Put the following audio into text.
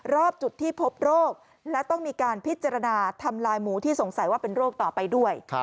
รอบจุดที่พบโรคและต้องมีการพิจารณาทำลายหมูที่สงสัยว่าเป็นโรคต่อไปด้วย